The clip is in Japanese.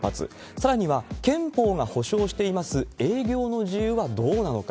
さらには、憲法が保障しています営業の自由がどうなのか。